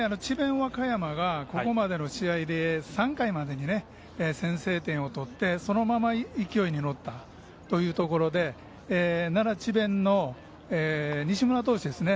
和歌山がここまでの試合で３回までに先制点を取ってそのまま勢いに乗ったというところで奈良智弁の西村投手ですね。